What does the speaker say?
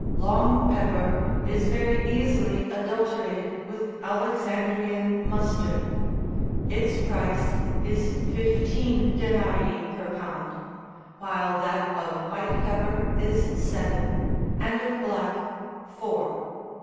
Long pepper is very easily adulterated with Alexandrian mustard ; its price is fifteen denarii per pound, while that of white pepper is seven, and of black, four.